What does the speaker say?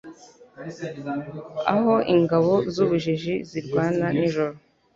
Aho ingabo zubujiji zirwana nijoro.